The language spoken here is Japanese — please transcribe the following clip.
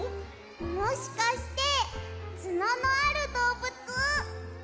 もしかしてつののあるどうぶつ？